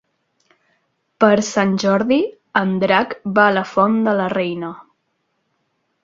Per Sant Jordi en Drac va a la Font de la Reina.